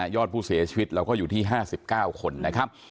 ยอดผู้เสียชีวิตเราก็อยู่ที่๕๙คน